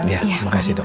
iya makasih dok